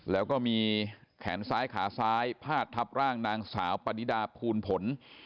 แล้วก็มีแขนซ้ายขาซ้ายพาดทับร่างนางสาวปนิดาภูลผล